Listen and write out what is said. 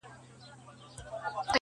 نور دي دسترگو په كتاب كي~